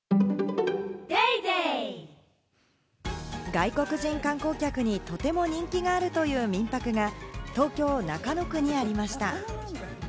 外国人観光客にとても人気があるという民泊が東京・中野区にありました。